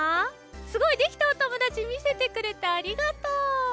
すごい！できたおともだちみせてくれてありがとう。